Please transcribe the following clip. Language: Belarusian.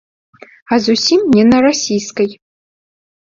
А зусім не на расійскай.